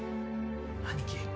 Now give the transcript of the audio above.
兄貴。